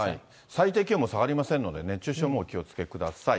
最低気温も下がりませんので、熱中症もお気をつけください。